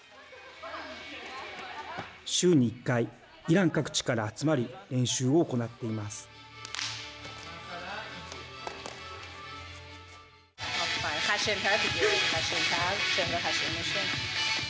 週に１回イラン各地から集まり練習を行っています。